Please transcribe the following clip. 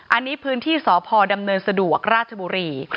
อันนี้พื้นที่สพดำเนินสะดวกราชบุรี